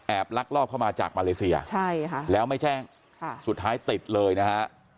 แอบลักล่อเข้ามาจากมาเลเซียแล้วไม่แจ้งสุดท้ายติดเลยนะฮะ